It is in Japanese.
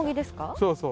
そうそう。